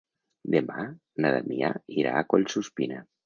Demà na Damià irà a Collsuspina.